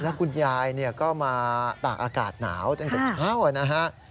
แล้วคุณยายก็มาตากอากาศหนาวตั้งแต่เช้านะฮะ